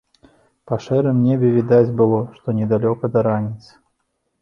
Па шэрым небе відаць было, што недалёка да раніцы.